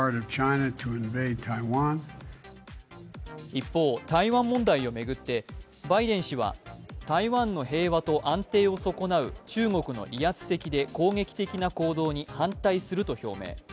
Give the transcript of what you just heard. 一方、台湾問題を巡ってバイデン氏は台湾の平和と安定を損なう中国の威圧的で攻撃的な行動に反対すると表明。